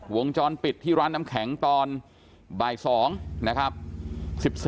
วงจรปิดที่ร้านน้ำแข็งตอนบ่าย๒นะครับ